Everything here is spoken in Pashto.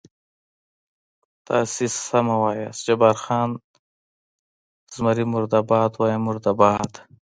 تاسې سمه وایئ، جبار خان: زمري مرده باد، وایم مرده باد.